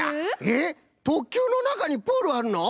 えっ特急のなかにプールあるの？